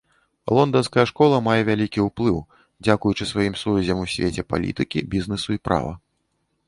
Лонданская школа мае вялікі ўплыў, дзякуючы сваім сувязям у свеце палітыкі, бізнесу і права.